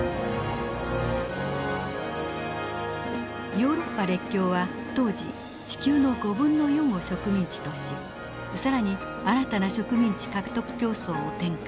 ヨーロッパ列強は当時地球の５分の４を植民地とし更に新たな植民地獲得競争を展開。